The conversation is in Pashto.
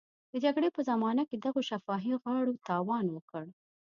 د جګړې په زمانه کې دغو شفاهي غاړو تاوان وکړ.